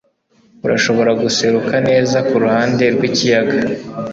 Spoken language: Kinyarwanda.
Urashobora guseruka neza kuruhande rwikiyaga.